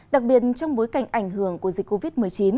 đặc biệt trong bối cảnh ảnh hưởng của dịch covid một mươi chín